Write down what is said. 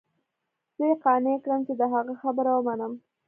زه يې قانع کړم چې د هغه خبره ومنم.